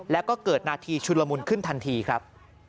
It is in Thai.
แล้วก็เกิดนาทีชุนละมุนขึ้นทันทีครับ